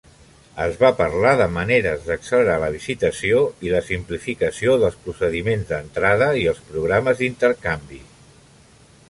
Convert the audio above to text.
Es va parlar de maneres d'accelerar la Visitació i la simplificació dels procediments d'entrada i els programes d'intercanvi.